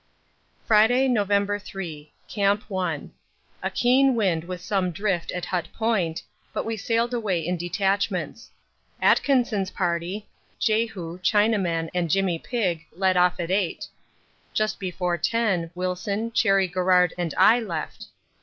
Friday, November 3. Camp 1. A keen wind with some drift at Hut Point, but we sailed away in detachments. Atkinson's party, Jehu, Chinaman and Jimmy Pigg led off at eight. Just before ten Wilson, Cherry Garrard and I left.